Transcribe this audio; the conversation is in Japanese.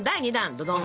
ドドン！